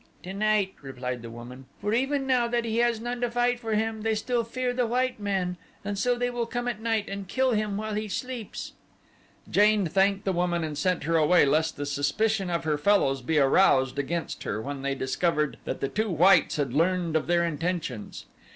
"Tonight," replied the woman, "for even now that he has none to fight for him they still fear the white man. And so they will come at night and kill him while he sleeps." Jane thanked the woman and sent her away lest the suspicion of her fellows be aroused against her when they discovered that the two whites had learned of their intentions.